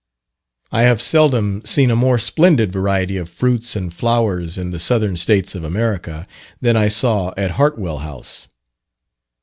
I have seldom seen a more splendid variety of fruits and flowers in the southern States of America, than I saw at Hartwell House.